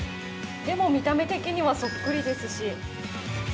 でも、見た目的にはそっくりですし。